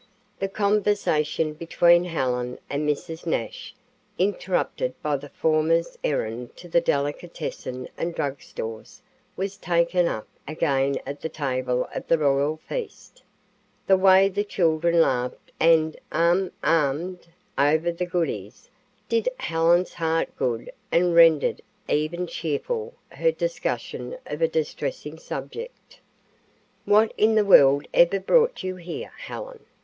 The conversation between Helen and Mrs. Nash, interrupted by the former's errand to the delicatessen and drug stores, was taken up again at the table of the royal feast. The way the children laughed and "um um ed" over the "goodies" did Helen's heart good and rendered even cheerful her discussion of a distressing subject. "What in the world ever brought you here, Helen?"